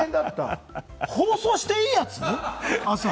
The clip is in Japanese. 朝、放送していいやつ？